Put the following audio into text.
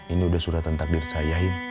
ini udah suratan takdir saya